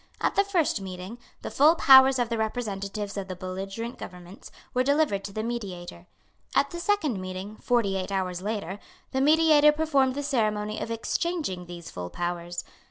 At the first meeting, the full powers of the representatives of the belligerent governments were delivered to the mediator. At the second meeting, forty eight hours later, the mediator performed the ceremony of exchanging these full powers.